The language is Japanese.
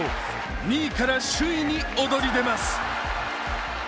２位から首位に躍り出ます。